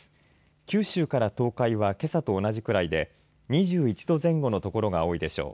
九州から東海はけさと同じくらいで２１度前後の所が多いでしょう。